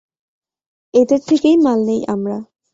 এদের থেকেই মাল নেই আমরা।